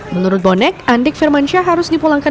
menurut bonek andik firmansyah harus dipulangkan